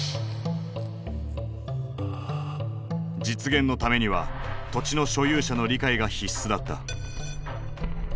実現のためには土地の所有者の理解が必須だった。